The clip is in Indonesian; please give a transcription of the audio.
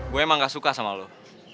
gue emang gak suka sama lo